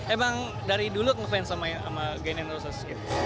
emang dari dulu ngefans sama guns n' roses